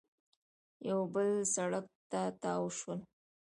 یو بل سړک ته تاو شول